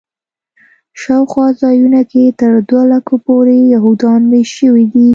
شاوخوا ځایونو کې تر دوه لکو پورې یهودان میشت شوي دي.